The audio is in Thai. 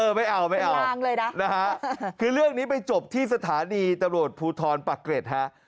ไม่เอาไม่เอาเลยนะนะฮะคือเรื่องนี้ไปจบที่สถานีตำรวจภูทรปักเกร็ดฮะ